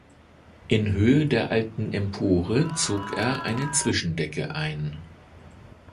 In Höhe der alten Empore zog er eine Zwischendecke ein.